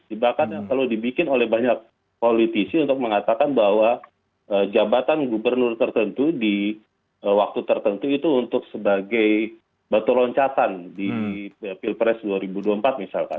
jebakan yang selalu dibikin oleh banyak politisi untuk mengatakan bahwa jabatan gubernur tertentu di waktu tertentu itu untuk sebagai batu loncatan di pilpres dua ribu dua puluh empat misalkan